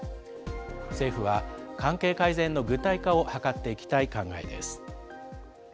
政府は、関係改善の具体化を図っていきたい考えです。